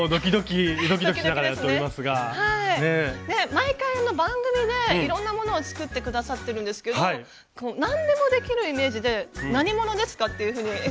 毎回番組でいろんなものを作って下さってるんですけど何でもできるイメージで何者ですか？っていうふうに。